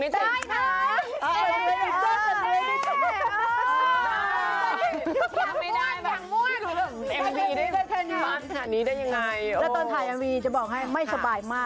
ต้องไปเรียนเต้นไหมคะมันออกจากความรู้สึกเรา